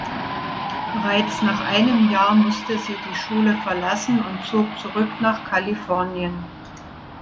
Bereits nach einem Jahr musste sie die Schule verlassen und zog zurück nach Kalifornien.